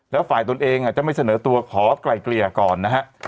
แล้วฝ่ายตนเองจะไม่เสนอตัวขอไกล่เกลี่ยก่อนนะฮะ